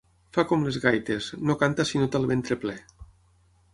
Fa com les gaites: no canta si no té el ventre ple.